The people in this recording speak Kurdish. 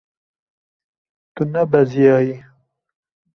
Tu nebeziyayî.